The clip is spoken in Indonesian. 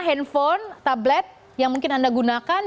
handphone tablet yang mungkin anda gunakan